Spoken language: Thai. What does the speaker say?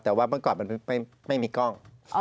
แต่ว่าเมื่อก่อนมันไม่มีกล้อง